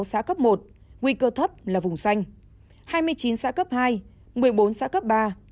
xã cấp một nguy cơ thấp là vùng xanh hai mươi chín xã cấp hai một mươi bốn xã cấp ba